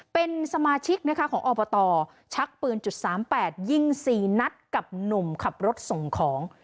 เป็นสมาชิกนะคะของอบตชักปืนจุด๓๘ยิง๔นัดกับหนุ่มขับรถส่งของ